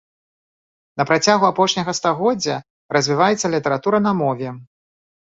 На працягу апошняга стагоддзя развіваецца літаратура на мове.